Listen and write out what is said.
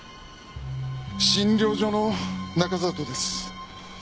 診療所の中里です。